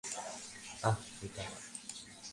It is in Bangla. আহ্ এটা না।